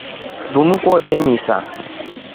Linu kutee misa.